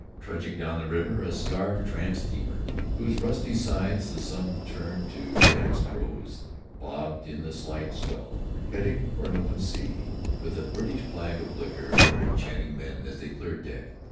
Forging down the river a scarred tramp steamer, whose rusty sides the sun turned to damask rose, bobbed in the slight swell, heading for open sea, with the British flag a flicker and men chanting as they cleared deck.